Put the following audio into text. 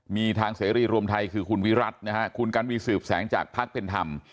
มีทางเสรีรวมไทยคือคุณวิรัตินะฮะคุณกันวีสืบแสงจากพักเป็นธรรม